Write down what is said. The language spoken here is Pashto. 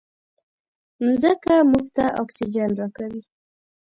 مځکه موږ ته اکسیجن راکوي.